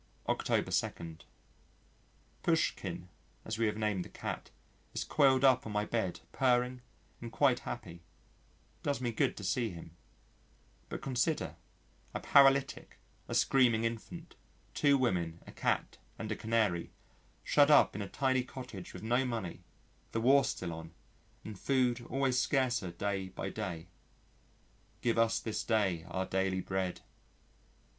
October 2. Poushkin (as we have named the cat) is coiled up on my bed, purring and quite happy. It does me good to see him. But consider: A paralytic, a screaming infant, two women, a cat and a canary, shut up in a tiny cottage with no money, the war still on, and food always scarcer day by day. "Give us this day, our daily bread."